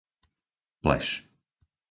Pleš